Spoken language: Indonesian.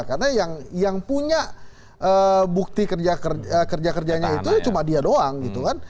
karena yang punya bukti kerja kerjanya itu cuma dia doang gitu kan